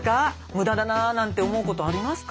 無駄だななんて思うことありますか？